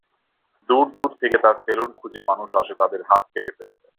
দূর দূর থেকে তার সেলুন খুঁজে মানুষ আসে তাদের হাত কেটে ফেলতে।